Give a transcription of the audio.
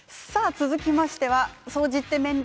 続いては掃除って面倒